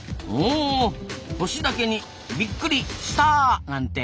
星だけにびっくりスターなんて。